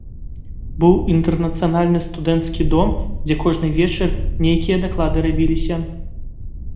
Быў інтэрнацыянальны студэнцкі дом, дзе кожны вечар нейкія даклады рабіліся.